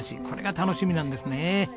これが楽しみなんですね。